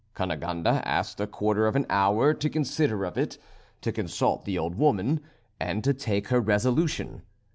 Cunegonde asked a quarter of an hour to consider of it, to consult the old woman, and to take her resolution.